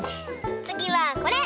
つぎはこれ！